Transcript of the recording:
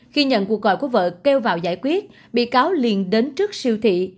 khi nhận cuộc gọi của vợ kêu vào giải quyết bị cáo liền đến trước siêu thị